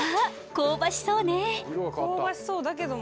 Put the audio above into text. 香ばしそうだけども。